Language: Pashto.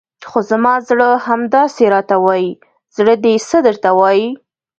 خو زما زړه همداسې راته وایي، زړه دې څه درته وایي؟